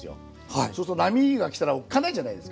そうすると波が来たらおっかないじゃないですか。